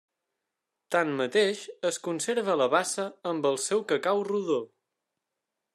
Tanmateix, es conserva la bassa amb el seu cacau rodó.